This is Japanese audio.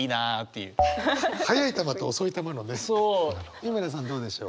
美村さんどうでしょう？